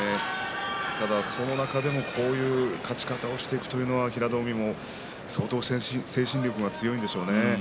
ただその中でもこういう勝ち方をしていくというのは平戸海も相当、精神力が強いんでしょうね。